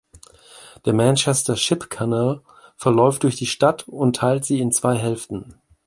Der Manchester Ship Canal verläuft durch die Stadt und teilt sie in zwei Hälften.